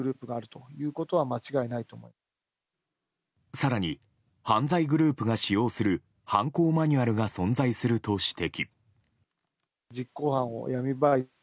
更に犯罪グループが使用する犯行マニュアルが存在すると指摘。